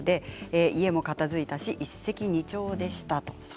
家も片づいて、一石二鳥でした。